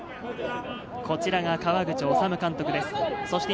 こちらが川口修監督です。